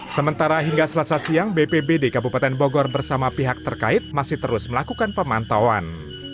sementara hingga selasa siang bpbd kabupaten bogor bersama pihak terkait masih terus melakukan pemantauan